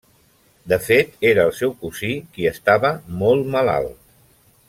De fet, era el seu cosí qui estava molt malalt.